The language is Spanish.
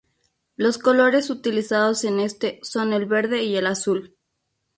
Los colores utilizados en este son el verde y el azul.